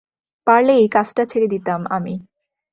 পারলে এই কাজটা ছেড়ে দিতাম আমি।